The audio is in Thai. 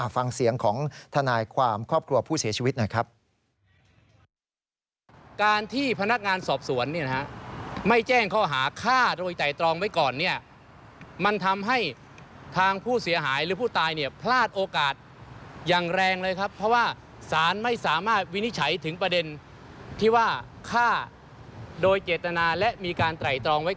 ฟังเสียงของทนายความครอบครัวผู้เสียชีวิตหน่อยครับ